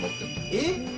えっ？